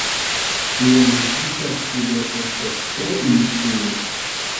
Lia muzika stilo estas tre influa.